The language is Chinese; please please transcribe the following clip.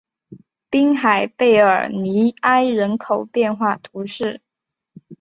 滨海贝尔尼埃人口变化图示